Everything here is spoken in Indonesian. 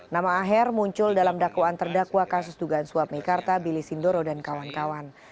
nama aher muncul dalam dakwaan terdakwa kasus dugaan suap mekarta billy sindoro dan kawan kawan